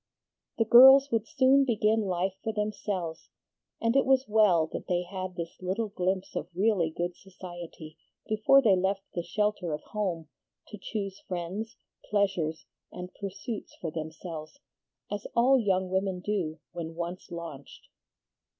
The girls would soon begin life for themselves, and it was well that they had this little glimpse of really good society before they left the shelter of home to choose friends, pleasures, and pursuits for themselves, as all young women do when once launched.